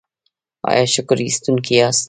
ایا شکر ایستونکي یاست؟